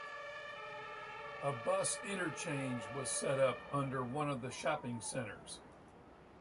A bus interchange was set up under one of the shopping centres.